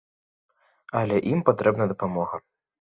Але ім патрэбна дапамога.